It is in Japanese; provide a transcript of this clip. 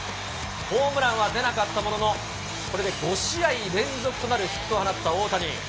ホームランは出なかったものの、これで５試合連続となるヒットを放った大谷。